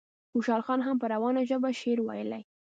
خوشحال خان هم په روانه ژبه شعر ویلی.